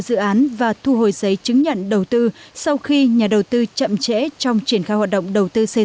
dự án và thu hồi giấy chứng nhận đầu tư sau khi nhà đầu tư chậm trễ trong triển khai hoạt động đầu tư xây